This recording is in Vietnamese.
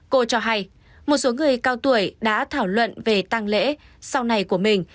cô cho hay một số người cao tuổi đã thảo luận về tăng lễ sau này của mình